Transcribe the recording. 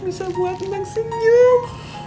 bisa buatin yang senyum